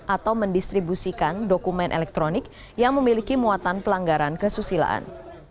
atau mendistribusikan dokumen elektronik yang memiliki muatan pelanggaran kesusilaan